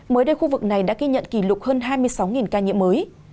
mới đây khu vực này đã ghi nhận kỷ lục hơn hai mươi sáu ca nhiễm mới